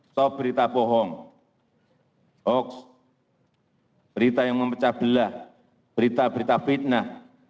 sop berita bohong hoax berita yang mempecah belah berita berita fitnah